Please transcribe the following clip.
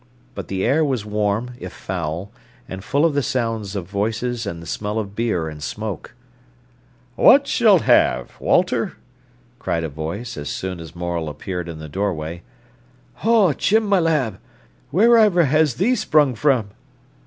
But the air was warm, if foul, and full of the sound of voices and the smell of beer and smoke. "What shollt ha'e, Walter?" cried a voice, as soon as Morel appeared in the doorway. "Oh, Jim, my lad, wheriver has thee sprung frae?"